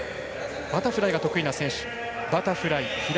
バタフライが得意な選手。